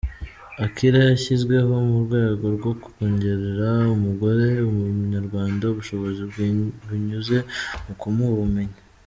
Akilah yashyizweho mu rwego rwo kongerera umugore w’Umunyarwanda ubushobozi binyuze mu kumuha ubumenyi.